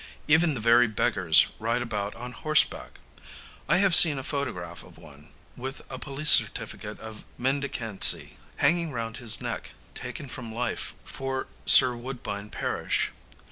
Even the very beggars ride about on horseback. I have seen a photograph of one, with a police certificate of mendicancy hanging round his neck, taken from life for Sir Woodbine Parish.